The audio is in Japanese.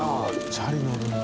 チャリ乗るんだ。